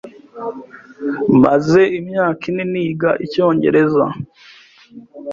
Maze imyaka ine niga icyongereza.